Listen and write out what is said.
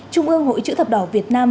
trung ương hội chữ thập đỏ việt nam